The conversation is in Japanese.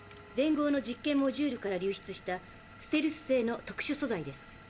連合の実験モジュールから流出したステルス性の特しゅ素材です。